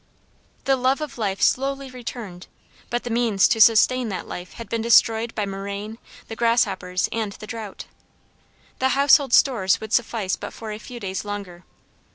The love of life slowly returned; but the means to sustain that life had been destroyed by murrain, the grasshoppers, and the drought. The household stores would suffice but for a few days longer.